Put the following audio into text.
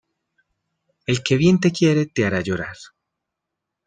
El que bien te quiere te hará llorar.